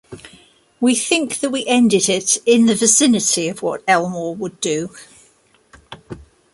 We think that we ended it in the vicinity of what Elmore would do.